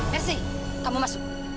merci kamu masuk